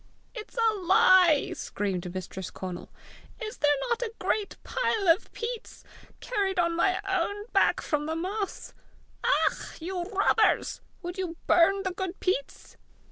"It's a lie!" screamed Mistress Conal. "Is there not a great pile of peats, carried on my own back from the moss! Ach, you robbers! Would you burn the good peats?"